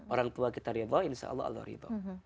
orang tua kita ridhonya insya allah allah ridhonya